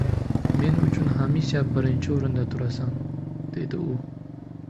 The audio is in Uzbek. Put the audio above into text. Men uchun hamisha birinchi o'rinda turasan, dedi u